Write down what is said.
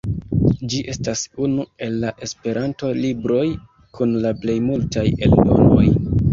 Ĝi estas unu el la Esperanto-libroj kun la plej multaj eldonoj.